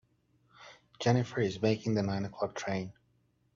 Jennifer is making the nine o'clock train.